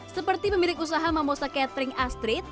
seperti pemilik usaha memosa catering astrid